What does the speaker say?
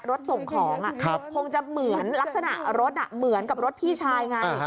รถส่งของคงจะเหมือนลักษณะรถเหมือนกับรถพี่ชายไง